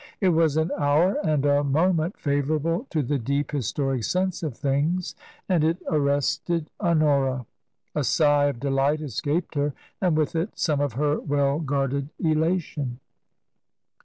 It was an hour and a moment favourable to the deep, historic sense of things, and it arrested Honora. A sigh of delight escaped her, and with it some of her well guarded elation.